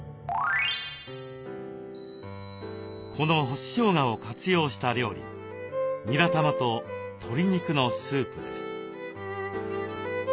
この干ししょうがを活用した料理にらたまと鶏肉のスープです。